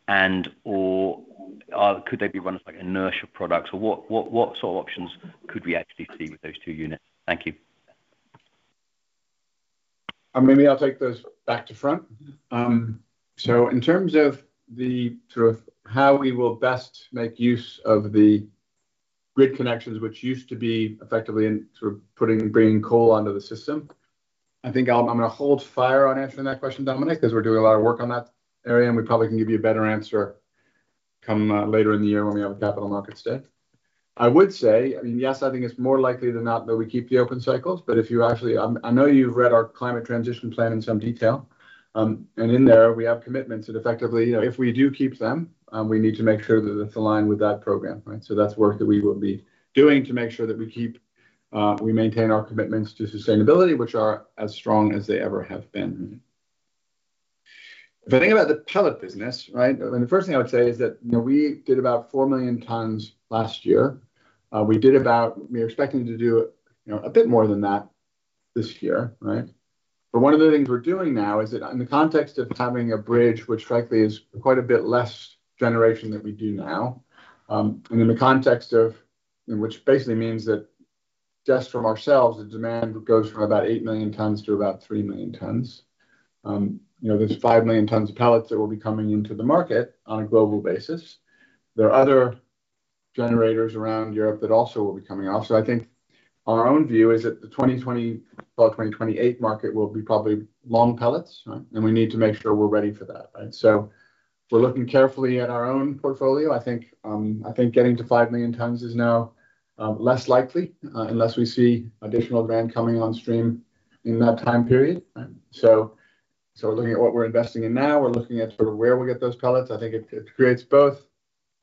S5: And or could they be run like inertial products? Or what sort of options could we actually see with those two units? Thank you.
S1: Maybe I'll take those back to front. So in terms of the sort of how we will best make use of the grid connections, used to be effectively in sort of putting bringing coal onto the system, I think I'm I'm gonna hold fire on answering that question, Dominic, because we're doing a lot of work on that area, and we probably can give you a better answer come later in the year when we have a capital markets day. I would say I mean, yes, I think it's more likely than not that we keep the open cycles. But if you actually I I know you've read our climate transition plan in some detail. And in there, we have commitments that effectively you know, if we do keep them, we need to make sure that it's aligned with that program. Right? So that's work that we will be doing to make sure that we keep, we maintain our commitments to sustainability, which are as strong as they ever have been. If I think about the pellet business, right, I mean, the first thing I would say is that, you know, we did about 4,000,000 tons last year. We did about we're expecting to do, you know, a bit more than that this year. Right? But one of the things we're doing now is that in the context of timing of bridge, which frankly is quite a bit less generation that we do now, and in the context of which basically means that just from ourselves, the demand goes from about 8,000,000 tons to about 3,000,000 tons. You know, there's 5,000,000 tons of pellets that will be coming into the market on a global basis. There are other generators around Europe that also will be coming off. So I think our own view is that the 2020 well, 2028 market will be probably long pellets. Right? And we need to make sure we're ready for that. Right? So we're looking carefully at our own portfolio. I think I think getting to 5,000,000 tons is now less likely unless we see additional demand coming on stream in that time period. So so we're looking at what we're investing in now. We're looking at sort of where we get those pellets. I think it it creates both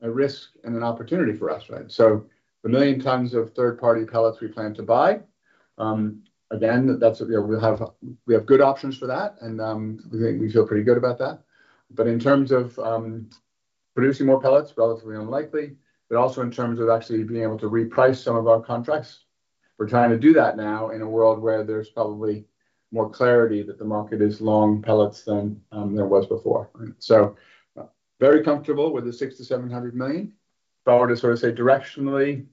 S1: a risk and an opportunity for us. Right? So the million tons of third party pellets we plan to buy, again, that's what yeah. We'll have we have good options for that, and we think we feel pretty good about that. But in terms of, producing more pellets, relatively unlikely, but also in terms of actually being able to reprice some of our contracts, we're trying to do that now in a world where there's probably more clarity that the market is long pellets than, there was before. So very comfortable with the $600 to $700,000,000 If I were to sort of say directionally,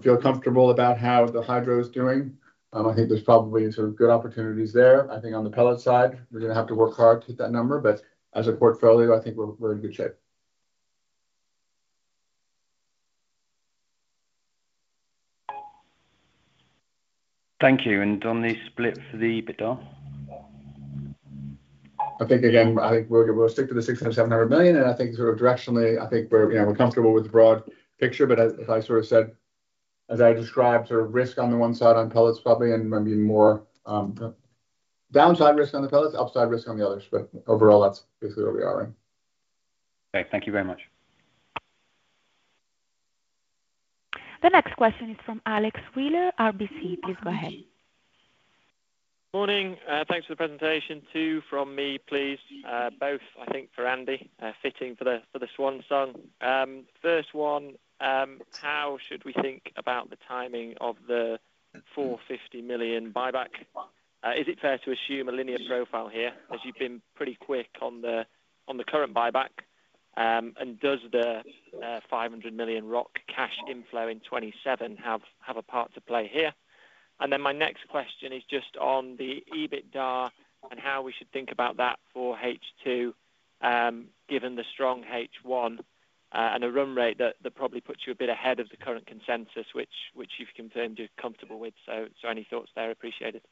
S1: feel comfortable about how the hydro is doing. I think there's probably sort of good opportunities there. I think on the pellet side, we're going have to work hard to hit that number. But as a portfolio, I think we're in good shape.
S5: Thank you. And on the split for the EBITDA?
S1: I think, again, I think we'll stick to the 600 to $700,000,000 and I think sort of directionally, I think we're, you know, we're comfortable with the broad picture. But as I sort of said, as I described sort of risk on the one side on pellets probably and maybe more downside risk on the pellets, upside risk on the others. But overall, that's basically where we are.
S5: Okay. Thank you very much.
S3: The next question is from Alex Wheeler, RBC. Please go ahead.
S6: Good morning. Thanks for the presentation. Two from me, please. Both, I think, for Andy, fitting for the Swanson. First one, how should we think about the timing of the €450,000,000 buyback? Is it fair to assume a linear profile here as you've been pretty quick on the current buyback? And does the €500,000,000 ROC cash inflow in 2027 have a part to play here? And then my next question is just on the EBITDA and how we should think about that for H2 given the strong H1 and a run rate that probably puts you a bit ahead of the current consensus, you've confirmed you're comfortable with. So any thoughts there, I appreciate it.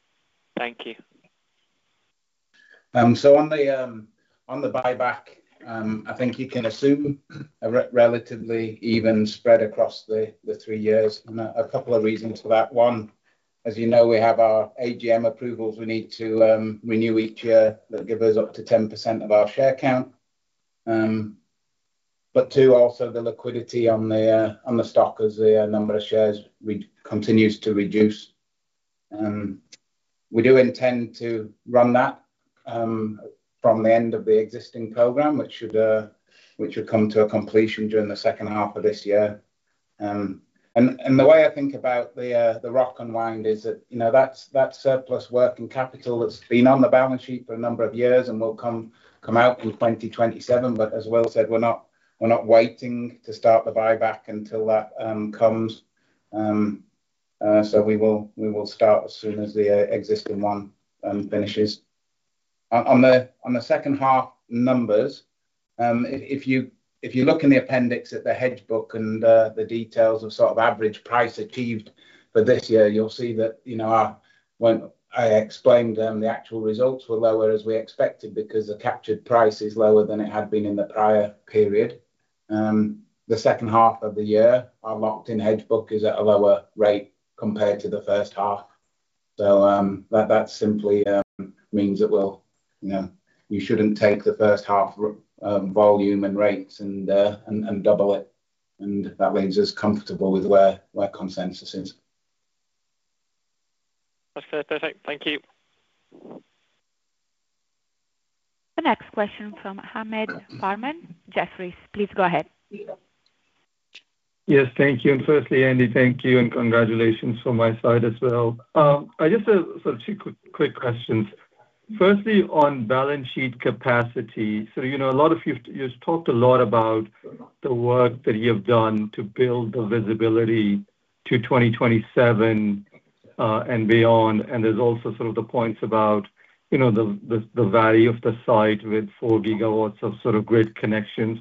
S2: So on the buyback, I think you can assume a relatively even spread across the three years. And a couple of reasons for that. One, as you know, we have our AGM approvals we need to renew each year that give us up to 10% of our share count. But two, also the liquidity on the on the stock as the number of shares continues to reduce. We do intend to run that from the end of the existing program, which should come to a completion during the second half of this year. And the way I think about the Rock and Wind is that that surplus working capital that's been on the balance sheet for a number of years and will come come out in 2027. But as Will said, we're not we're not waiting to start the buyback until that comes. So we will we will start as soon as the existing one finishes. On the on the second half numbers, if if you if you look in the appendix at the hedge book and the the details of sort of average price achieved for this year, you'll see that, you know, when I explained them, the actual results were lower as we expected because the captured price is lower than it had been in the prior period. The second half of the year, our locked in hedge book is at a lower rate compared to the first half. So that that simply means it will you you shouldn't take the first half volume and rates and and and double it, and that means us comfortable with where where consensus is.
S3: The next question from Hamed Harman, Jefferies. And
S7: firstly, Andy, thank you, and congratulations from my side as well. I just have sort of two quick questions. Firstly, on balance sheet capacity. So a lot of you've talked a lot about the work that you have done to build the visibility to 2027 and beyond. And there's also sort of the points about the value of the site with four gigawatts of sort of grid connections.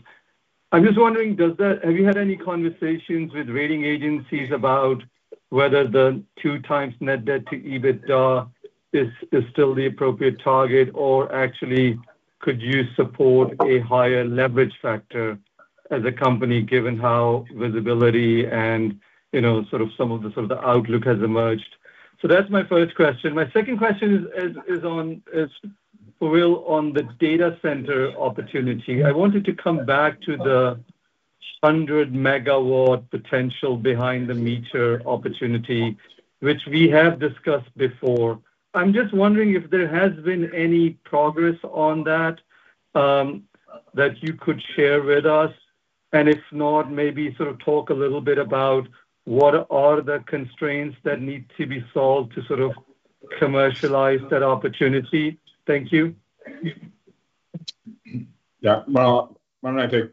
S7: I'm just wondering, does that have you had any conversations with rating agencies about whether the two times net debt to EBITDA is still the appropriate target? Or actually, could you support a higher leverage factor as a company given how visibility and sort of some of the sort of the outlook has emerged? So that's my first question. My second question is on for Will on the data center opportunity. I wanted to come back to the 100 megawatt potential behind the meter opportunity, which we have discussed before. I'm just wondering if there has been any progress on that, that you could share with us? And if not, maybe sort of talk a little bit about what are the constraints that need to be solved to sort of commercialize that opportunity? Thank you.
S1: Yeah. Well, why don't I take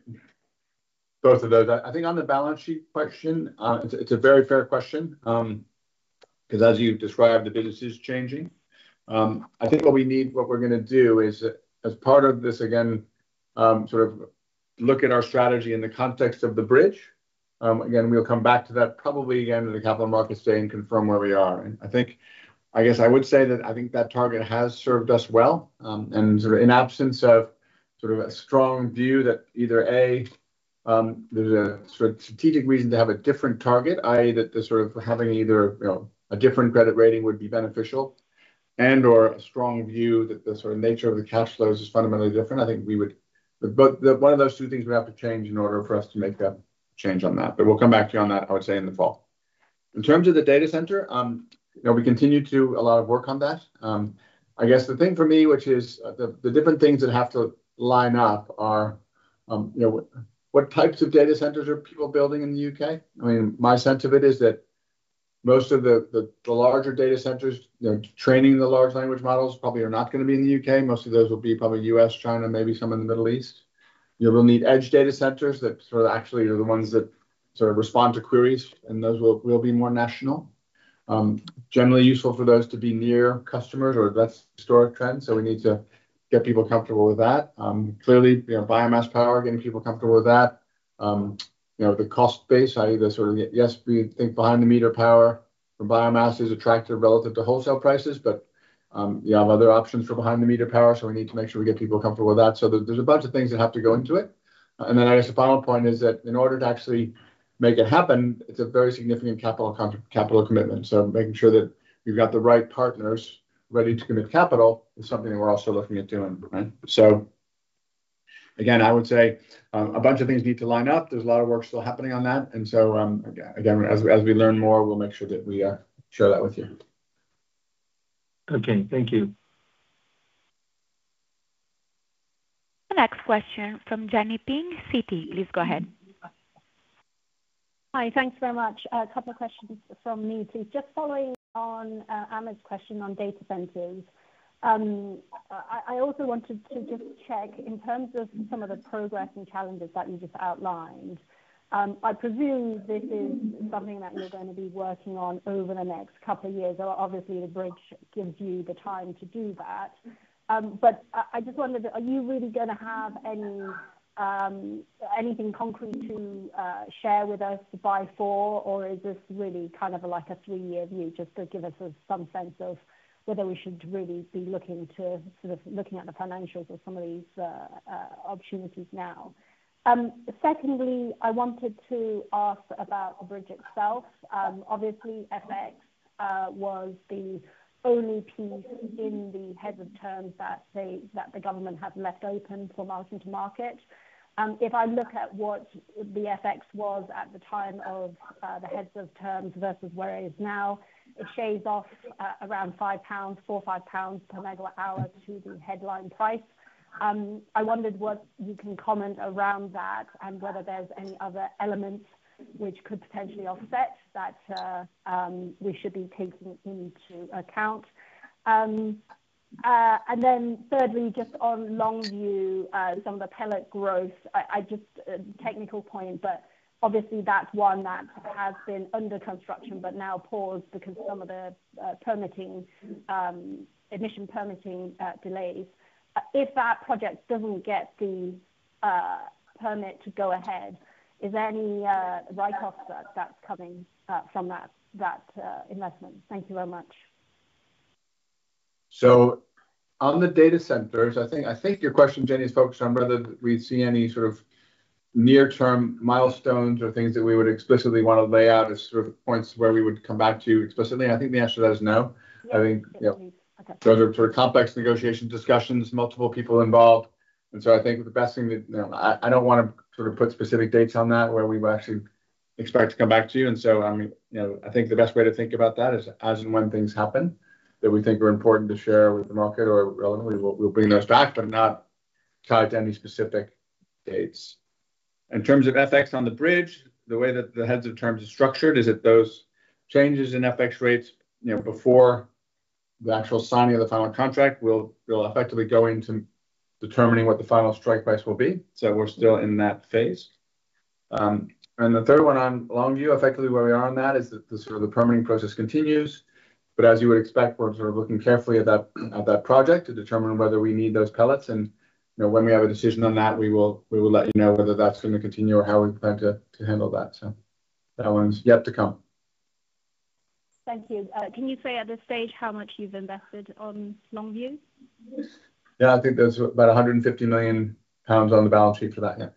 S1: both of those? I think on the balance sheet question, it's it's a very fair question, because as you described, the business is changing. I think what we need what we're gonna do is as part of this, again, sort of look at our strategy in the context of the bridge. Again, we'll come back to that probably again with the Capital Markets Day and confirm where we are. And I think I guess, I would say that I think that target has served us well, and sort of in absence of sort of a strong view that either a, there's a strategic reason to have a different target, I. E, that the sort of having either, you know, a different credit rating would be beneficial and or a strong view that the sort of nature of the cash flows is fundamentally different. I think we would but but one of those two things we have to change in order for us to make that change on that. But we'll come back to you on that, I would say, the fall. In terms of the data center, you know, we continue to a lot of work on that. I guess the thing for me, which is the the different things that have to line up are, you know, what types of data centers are people building in The UK? I mean, my sense of it is that most of the the the larger data centers, you know, training the large language models probably are not gonna be in The UK. Most of those will be probably US, China, maybe some in The Middle East. You will need edge data centers that sort of actually are the ones that sort of respond to queries, and those will will be more national. Generally useful for those to be near customers or less historic trends, so we need to get people comfortable with that. Clearly, you know, biomass power, getting people comfortable with that. You know, the cost base, I either sort of get yes, we think behind the meter power from biomass is attractive relative to wholesale prices, but you have other options for behind the meter power. So we need to make sure we get people comfortable with that. So there's a bunch of things that have to go into it. And then I guess the final point is that in order to actually make it happen, it's a very significant capital capital commitment. So making sure that you've got the right partners ready to commit capital is something we're also looking at doing. Right? So, again, I would say, a bunch of things need to line up. There's lot of work still happening on that. And so, again, as as we learn more, we'll make sure that we, share that with you.
S7: Okay. Thank you.
S3: The next question from Jenny Ping, Citi. Please go ahead.
S8: Hi, thanks very much. A couple of questions from me, please. Just following on Amit's question on data centers, I also wanted to just check-in terms of some of the progress and challenges that you just outlined. I presume this is something that you're going to be working on over the next couple of years. Obviously, the bridge gives you the time to do that. But I just wondered, are you really going to have anything concrete to share with us by four? Or is this really kind of like a three year view just to give us some sense of whether we should really be looking to sort of looking at the financials of some of these opportunities now? Secondly, I wanted to ask about bridge itself. Obviously, FX was the only piece in the heads of terms that the government had left open for margin to market. If I look at what the FX was at the time of the heads of terms versus where it is now, it shaves off around 5 pounds, GBP $4.05 per megawatt hour to the headline price. I wondered what you can comment around that and whether there's any other elements which could potentially offset that we should be taking into account? And then thirdly, just on Longview, some of the pellet growth, I just technical point, but obviously that's one that has been under construction, but now paused because of some of the permitting admission permitting delays. If that project doesn't get the permit to go ahead, is there any write off that's coming from that investment? Thank you very much.
S1: So on the data centers, I think I think your question, Jenny, is focused on whether we see any sort of near term milestones or things that we would explicitly wanna lay out as sort of points where we would come back to you explicitly. I think the answer to that is no. I mean,
S8: you know Okay.
S1: Sort of sort of complex negotiation discussions, multiple people involved. And so I think the best thing that you know, I I don't wanna sort of put specific dates on that where we actually expect to come back to you. And so, I mean, you know, I think the best way to think about that is as and when things happen that we think are important to share with the market or, ultimately, we'll we'll bring those back, but not tied to any specific dates. In terms of FX on the bridge, the way that the heads of terms are structured is that those changes in FX rates, you know, before the actual signing of the final contract will will effectively go into determining what the final strike price will be. So we're still in that phase. And the third one on Longview, effectively where we are on that is that the sort of the permitting process continues. But as you would expect, we're sort of looking carefully at that at that project to determine whether we need those pellets. And, when you we have a decision on that, we will let you know whether that's going to continue or how we plan to handle that. So that one's yet to come.
S8: Thank you. Can you say at this stage how much you've invested on Longview?
S1: Yes, I think that's about 150,000,000 pounds on the balance sheet for that, yes.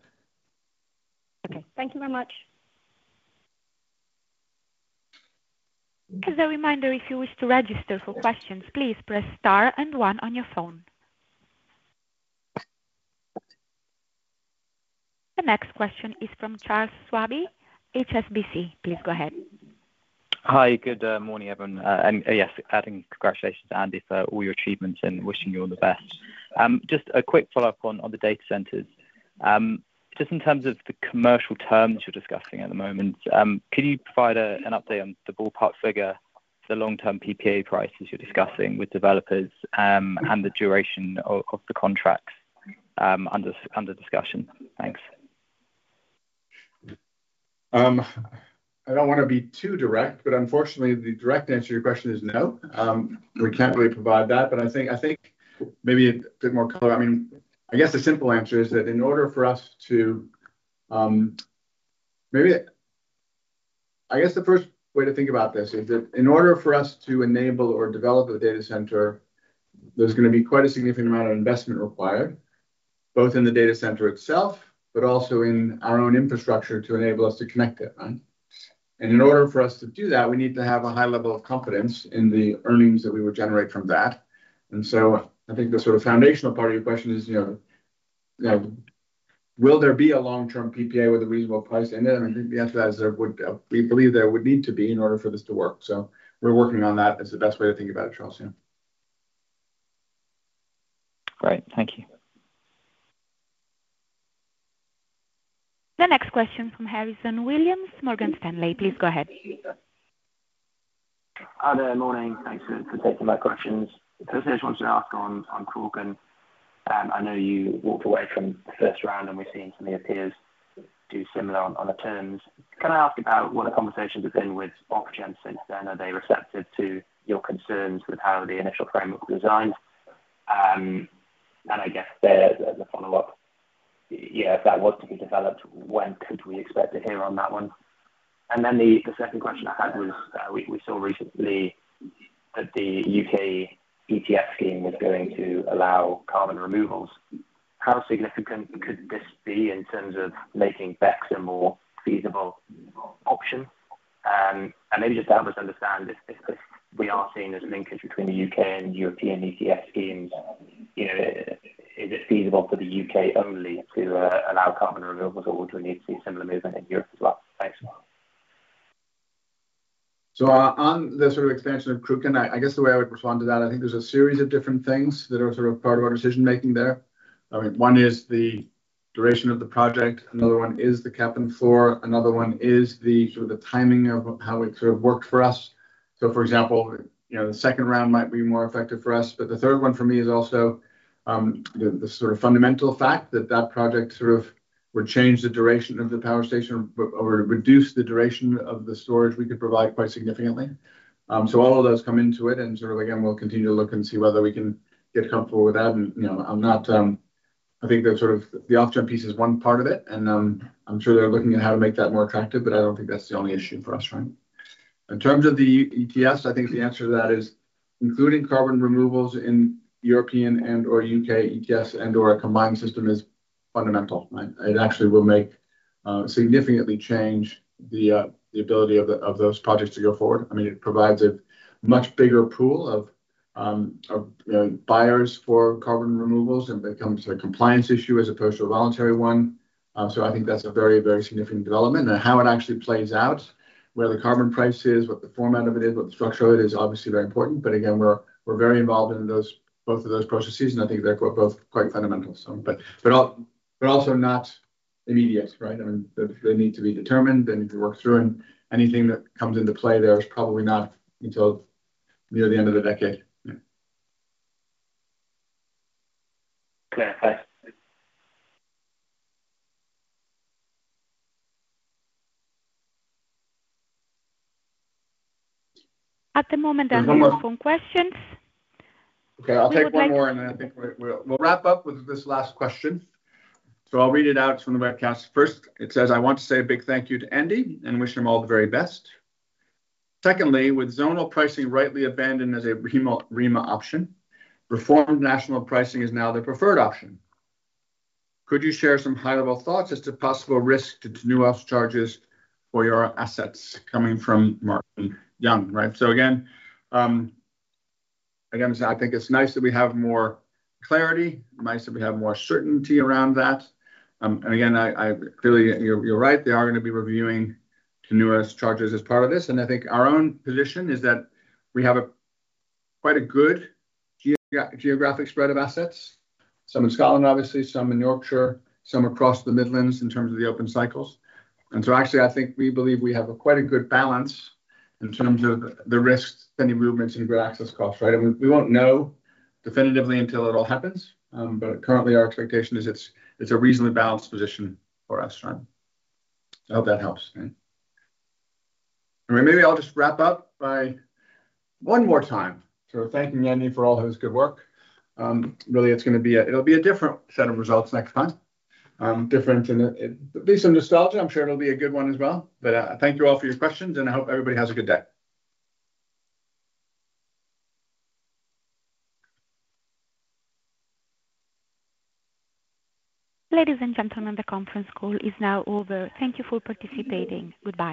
S8: Okay. Thank you very much.
S3: The next question is from Charles Schwabe, HSBC. Please go ahead.
S9: Hi, good morning, everyone. And yes, adding congratulations, Andy, for all your achievements and wishing you all the best. Just a quick follow-up on the data centers. Just in terms of the commercial terms you're discussing at the moment, could you provide an update on the ballpark figure for long term PPA prices you're discussing with developers and the duration of the contracts under discussion?
S1: I don't want to be too direct, but unfortunately, the direct answer to your question is no. We can't really provide that, but I think I think maybe a bit more color. I mean, I guess the simple answer is that in order for us to maybe I guess the first way to think about this is that in order for us to enable or develop a data center, there's gonna be quite a significant amount of investment required both in the data center itself, but also in our own infrastructure to enable us to connect it. Right? And in order for us to do that, we need to have a high level of confidence in the earnings that we would generate from that. And so I think the sort of foundational part of your question is, you know, will there be a long term PPA with a reasonable price? Then the answer is there would we believe there would need to be in order for this to work. So we're working on that. That's the best way to think about it, Charles.
S9: Thank you.
S3: The next question from Harrison Williams, Morgan Stanley. Please go ahead.
S10: Hi, there. Good morning. Thanks for taking my questions. Firstly, I just wanted to ask on Calkin. I know you walked away from the first round, and we've seen some of your peers do similar on the terms. Can I ask about what the conversations have been with OpGen since then? Are they receptive to your concerns with how the initial framework was designed? And I guess there as a follow-up, yes, if that was to be developed, when could we expect to hear on that one? And then the second question I had was, we saw recently that The UK ETF scheme was going to allow carbon removals. How significant could this be in terms of making BECCS a more feasible option? And maybe just to help us understand if we are seeing there's an linkage between The UK and European ETF schemes. Is it feasible for The UK only to allow carbon removals? Or do we need to see some of movement in Europe as well?
S1: So on the sort of expansion of Kruken, I guess the way I would respond to that, I think there's a series of different things that are sort of part of our decision making there. I mean, one is the duration of the project. Another one is the cap and floor. Another one is the sort of the timing of how it sort of worked for us. So for example, you know, the second round might be more effective for us. But the third one for me is also the the sort of fundamental fact that that project sort of would change the duration of the power station or reduce the duration of the storage we could provide quite significantly. So all of those come into it and sort of, again, we'll continue to look and see whether we can get comfortable with that. And, you know, I'm not, I think that sort of the off term piece is one part of it, and I'm sure they're looking at how to make that more attractive, but I don't think that's the only issue for us. Right? In terms of the ETS, I think the answer to that is including carbon removals in European and or UK ETS and or a combined system is fundamental, right? It actually will make significantly change ability of those projects to go forward. I mean, it provides a much bigger pool of buyers for carbon removals and becomes a compliance issue as opposed to a voluntary one. So I think that's a very, very significant development. How it actually plays out, where the carbon price is, what the format of it is, what the structure of it is, obviously, very important. But, again, we're we're very involved in those both of those processes, I think they're both quite fundamental. So but but but also not immediate. Right? I mean, they they need to be determined. They need to work through, and anything that comes into play there is probably not until near the end of the decade.
S3: At the moment, there are no Okay. Open
S1: I'll take one more, and then I think we'll wrap up with this last question. So I'll read it out from the webcast. First, it says, I want to say a big thank you to Andy and wish him all the very best. Secondly, with zonal pricing rightly abandoned as a option, reformed national pricing is now the preferred option. Could you share some high level thoughts as to possible risk to to new ops charges for your assets coming from Martin Young? Right? So, again, again, I think it's nice that we have more clarity, nice that we have more certainty around that. And, again, I I clearly, you're you're right. They are gonna be reviewing Kanuas charges as part of this. And I think our own position is that we have a quite a good geographic spread of assets. Some in Scotland, obviously, some in Yorkshire, some across the Midlands in terms of the open cycles. And so, actually, I think we believe we have a quite a good balance in terms of the risks, any movements in grid access costs. Right? And we we won't know definitively until it all happens, but currently, our expectation is it's it's a reasonably balanced position for us. I hope that helps. And maybe I'll just wrap up by one more time. So thanking Yandy for all his good work. Really, it's gonna be a it'll be a different set of results next time. Different in based on nostalgia, I'm sure it'll be a good one as well. But, thank you all for your questions, and I hope everybody has a good day.
S3: Ladies and gentlemen, the conference call is now over. Thank you for participating. Goodbye.